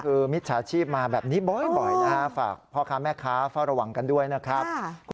คือมิจฉาชีพมาแบบนี้บ่อยนะฮะฝากพ่อค้าแม่ค้าเฝ้าระวังกันด้วยนะครับ